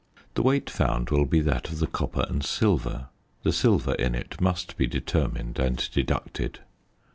The weight found will be that of the copper and silver. The silver in it must be determined and deducted.